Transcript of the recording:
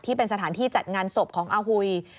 ที่เป็นสถานที่จัดงานศพของอาหุย